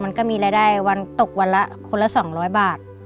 มันก็มีรายได้วันตกวันละคนละ๒๐๐บาท